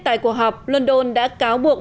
tại cuộc họp london đã cáo buộc